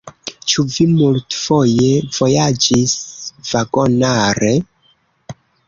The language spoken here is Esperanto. Ĉu vi multfoje vojaĝis vagonare?